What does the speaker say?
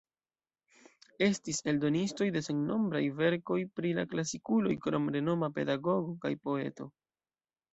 Estis eldonistoj de sennombraj verkoj pri la klasikuloj krom renoma pedagogo kaj poeto.